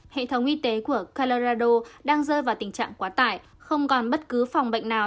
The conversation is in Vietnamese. hệ thống y tế của calarado đang rơi vào tình trạng quá tải không còn bất cứ phòng bệnh nào